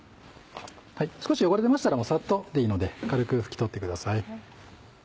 少し汚れてましたらサッとでいいので軽く拭き取ってください。